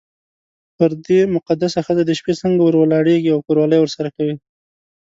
پر دې مقدسه ښځه د شپې څنګه ور ولاړېږې او کوروالی ورسره کوې.